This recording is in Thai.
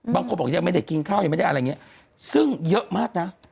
บางคนบอกยังไม่ได้กินข้าวยังไม่ได้อะไรอย่างนี้ซึ่งเยอะมากนะ